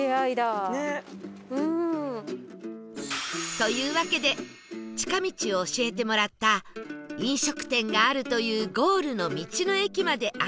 というわけで近道を教えてもらった飲食店があるというゴールの道の駅まで歩く事に